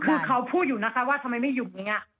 คือเขาพูดอยู่นะคะว่าทำไมไม่หยุดอย่างนี้